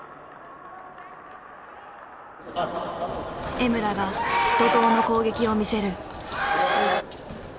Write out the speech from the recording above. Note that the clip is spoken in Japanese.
江村が怒とうの攻撃を見せる。